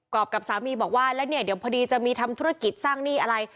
อบกับสามีบอกว่าแล้วเนี่ยเดี๋ยวพอดีจะมีทำธุรกิจสร้างหนี้อะไร